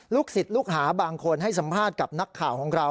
ศิษย์ลูกหาบางคนให้สัมภาษณ์กับนักข่าวของเรา